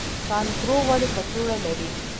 کانګارو ولې کڅوړه لري؟